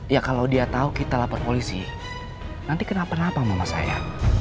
ya kalau dia tahu kita lapor polisi nanti kenapa kenapa mama saya